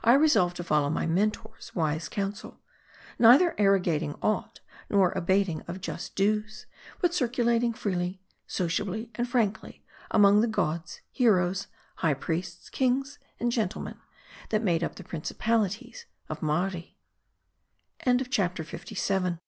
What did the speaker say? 209 resolved to follow my Mentor's wise counsel ; neither arro gating aught, nor abating of just dues ; but circulating freely, sociably, and frankly, among the gods, heroes, high priests, kings, and gentlemen, that made up the principali